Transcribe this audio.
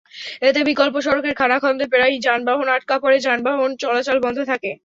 এতে বিকল্প সড়কের খানাখন্দে প্রায়ই যানবাহন আটকা পড়ে যানবাহন চলাচল বন্ধ থাকে।